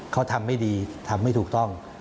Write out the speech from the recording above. เขาทำไม่ดีทำไม่ถูกต้อง